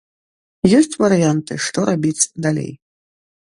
Ёсць варыянты, што рабіць далей.